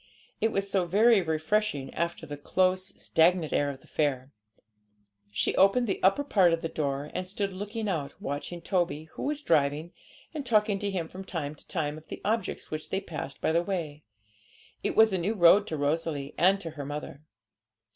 It was so very refreshing after the close, stagnant air of the fair. She opened the upper part of the door, and stood looking out, watching Toby, who was driving, and talking to him from time to time of the objects which they passed by the way; it was a new road to Rosalie and to her mother.